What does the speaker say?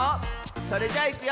それじゃいくよ！